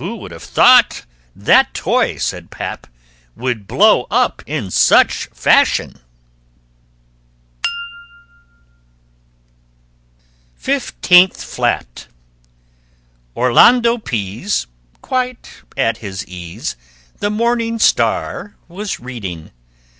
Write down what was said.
"Who would have thought that toy," said pap, "Would blow up in such fashion!" [Illustration: FOURTEENTH FLAT] FIFTEENTH FLAT Orlando Pease, quite at his ease, The "Morning Star" was reading.